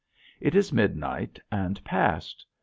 It is midnight and past.